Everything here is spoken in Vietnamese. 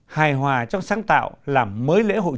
hài hòa trong sáng tạo làm mới lễ hội